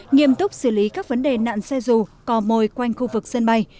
nghiêm túc xử lý các vấn đề nạn xe dù cò mồi quanh khu vực sân bay